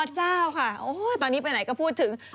เจ้าค่ะตอนนี้ไปไหนก็พูดถึง